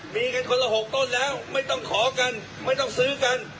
มีกันคนละ๖ต้นแล้วไม่ต้องขอกันไม่ต้องซื้อกัน